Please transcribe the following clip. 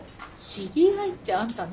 知り合いってあんたね。